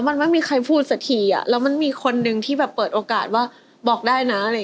มันไม่มีใครพูดสถีมันมันมีคนหนึ่งที่แบบเปิดโอกาสว่าบอกได้นะ